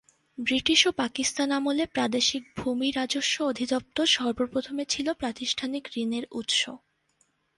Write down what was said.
British ও পাকিস্তান আমলে প্রাদেশিক ভূমি রাজস্ব অধিদপ্তর সর্বপ্রথমে ছিল প্রাতিষ্ঠানিক ঋণের উৎস্য।